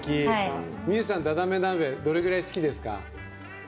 美有さん、ダダメ鍋どれぐらい好きですか？